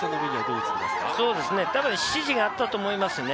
たぶん指示があったと思いますね。